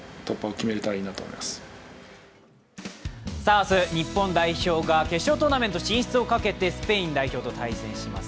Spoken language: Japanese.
明日、日本代表が決勝トーナメント進出をかけてスペイン代表と対戦します。